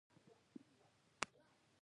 نو اضافي ارزښت به پنځوس میلیونه افغانۍ وي